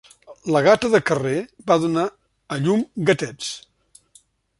La gata de carrer va donar a llum gatets.